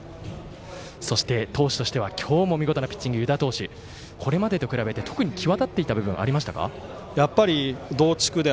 そして投手としては今日も見事なピッチング湯田投手、これまでと比べて特に際立っていた部分ありましたか？